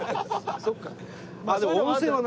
そっか。